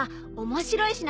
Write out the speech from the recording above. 面白い品？